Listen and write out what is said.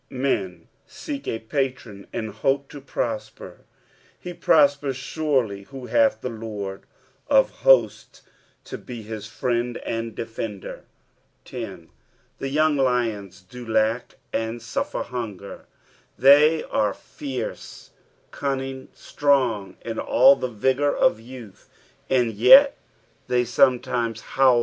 Hen seek a patron and hope to prosper ; he prospers surely who hath the Lord of Hosts to be his friend and defender. 10. " Th^ young lioni do [aek, and guffir hunger." They are fierce, cunning, strong, in all the vigour of youth, and yet they sometimea how!